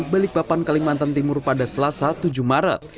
balikpapan kalimantan timur pada selasa tujuh maret